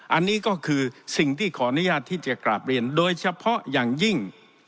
อันนี้ก็คือสิ่งที่ขออนุญาตที่จะกราบเรียนโดยเฉพาะอย่างยิ่ง